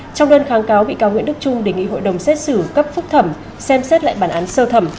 trong đơn kháng cáo bị cáo nguyễn đức trung đề nghị hội đồng xét xử cấp phúc thẩm xem xét lại bản án sơ thẩm